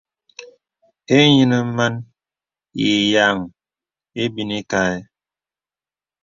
Inyinə man ǐ yeaŋ ibini kaɛ.